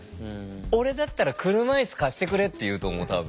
俺だったら「車いす貸してくれ」って言うと思う多分。